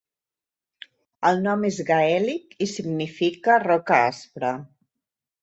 El nom és gaèlic i significa "roca aspra".